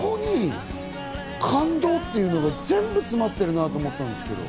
ここに感動っていうのが全部詰まってるなと思ったんですけど。